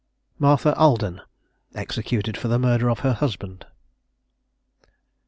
MARTHA ALDEN. EXECUTED FOR THE MURDER OF HER HUSBAND.